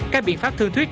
các biện pháp thương thuyết